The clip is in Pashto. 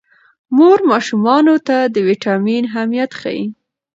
مور ماشومانو ته د ویټامین اهمیت ښيي.